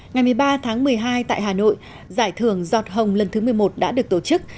ngày một mươi ba tháng một mươi hai tại hà nội giải thưởng giọt hồng lần thứ một mươi một đã được tổ chức